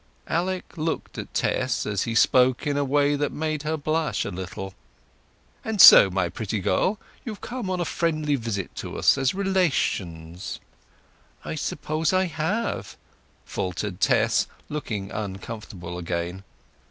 Alec looked at Tess as he spoke, in a way that made her blush a little. "And so, my pretty girl, you've come on a friendly visit to us, as relations?" "I suppose I have," faltered Tess, looking uncomfortable again.